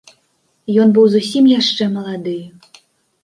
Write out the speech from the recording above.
Ён быў зусім яшчэ малады.